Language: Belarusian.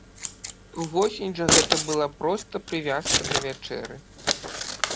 Увосень жа гэта была проста прывязка да вячэры.